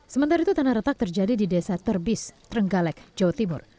sementara itu tanah retak terjadi di desa terbis trenggalek jawa timur